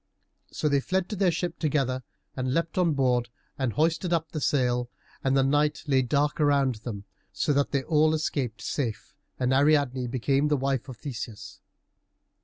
So they fled to their ship together, and leapt on board and hoisted up the sail, and the night lay dark around them, so that they escaped all safe, and Ariadne became the wife of Theseus.